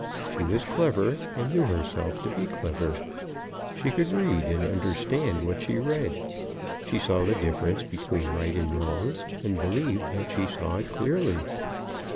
She was clever, and knew herself to be clever. She could read, and understood what she read. She saw the difference between right and wrong, and believed that she saw it clearly.